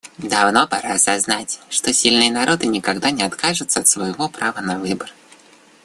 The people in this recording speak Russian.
Давно пора осознать, что сильные народы никогда не откажутся от своего права на выбор.